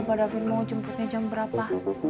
pak da vin mau jemputnya jam berapa